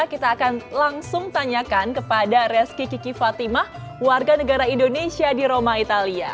kita akan langsung tanyakan kepada reski kiki fatimah warga negara indonesia di roma italia